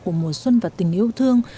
của mùa xuân và tình yêu thương